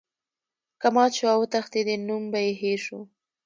که مات شو او وتښتیدی نوم به یې هیر شو.